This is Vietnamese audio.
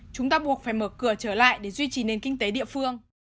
chúng ta buộc phải mở cửa trở lại để duy trì nền kinh tế địa phương